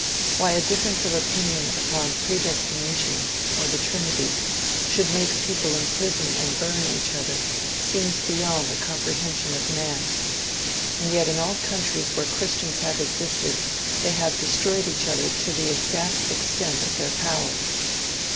Why a difference of opinion upon predestination, or the trinity, should make people imprison and burn each other seems beyond the comprehension of man; and yet in all countries where Christians have existed, they have destroyed each other to the exact extent of their power.